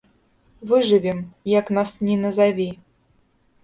Выжывем, як нас ні назаві.